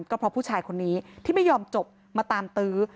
ก็เพราะผู้ชายคนนี้ที่ไม่ยอมจบมาตามตื้อ